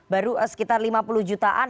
baru sekitar lima puluh jutaan